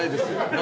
何？